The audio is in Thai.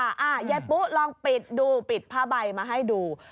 ยายปุ๊ลองปิดดูปิดผ้าใบมาให้ดู